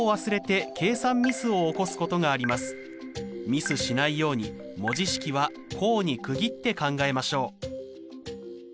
ミスしないように文字式は項に区切って考えましょう。